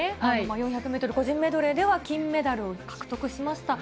４００メートル個人メドレーでは金メダルを獲得しました。